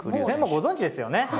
でもご存じですよね？